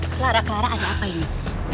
kelara kelara ayo apain